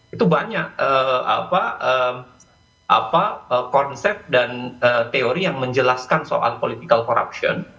itu banyak konsep dan teori yang menjelaskan soal political corruption